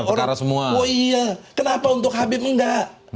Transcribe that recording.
oh iya kenapa untuk habib enggak